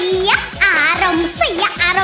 โมโฮโมโฮโมโฮ